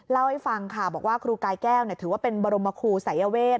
เล่าให้ฟังค่ะบอกว่าครูกายแก้วถือว่าเป็นบรมครูสายเวท